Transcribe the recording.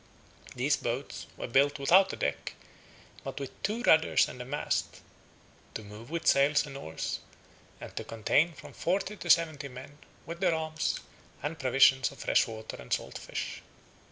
These boats were built without a deck, but with two rudders and a mast; to move with sails and oars; and to contain from forty to seventy men, with their arms, and provisions of fresh water and salt fish.